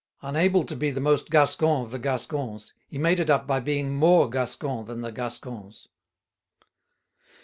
Unable to be the most Gascon of the Gascons, he made it up by being more Gascon than the Gascons.